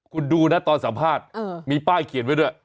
คุณดูนะตอนสัมภาษณ์มีป้ายเขียนไว้ด้วย